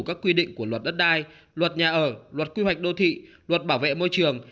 các quy định của luật đất đai luật nhà ở luật quy hoạch đô thị luật bảo vệ môi trường